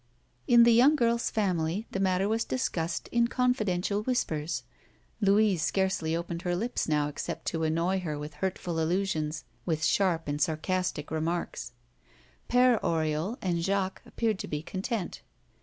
In the young girl's family, the matter was discussed in confidential whispers. Louise scarcely opened her lips now except to annoy her with hurtful allusions, with sharp and sarcastic remarks. Père Oriol and Jacques appeared to be content.